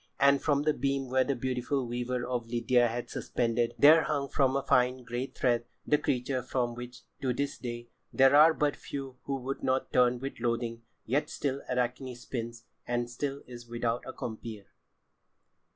And from the beam where the beautiful weaver of Lydia had been suspended, there hung from a fine grey thread the creature from which, to this day, there are but few who do not turn with loathing. Yet still Arachne spins, and still is without a compeer.